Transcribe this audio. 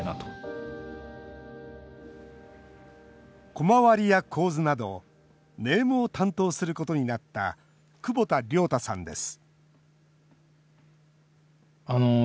コマ割りや構図などネームを担当することになった久保田諒太さんです